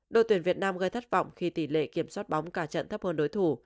đội tuyển việt nam gây thất vọng khi tỷ lệ kiểm soát bóng cả trận thấp hơn đối thủ